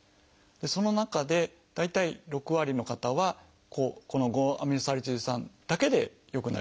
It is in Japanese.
その中で大体６割の方はこの５−アミノサリチル酸だけで良くなりますね。